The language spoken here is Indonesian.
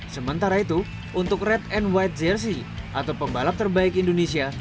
sementara itu untuk red and white jersey atau pembalap terbaik indonesia